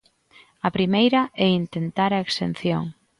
A primeira é intentar a exención.